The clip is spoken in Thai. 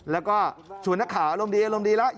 แล้วก็ชวนนักข่าวอารมณ์ดีอารมณ์ดีแล้ว